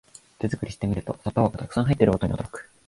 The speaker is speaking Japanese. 手作りしてみると砂糖がたくさん入ってることに驚く